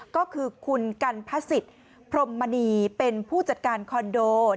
ก็คือคุณกันพระศิษย์พรมมณีเป็นผู้จัดการคอนโด